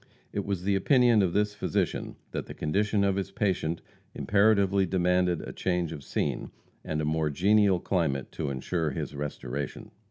It was the opinion of this physician that the condition of his patient imperatively demanded a change of scene, and a more genial climate to insure his restoration.